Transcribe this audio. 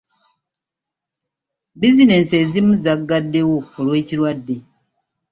Bizinensi ezimu zagaddewo olw'ekirwadde.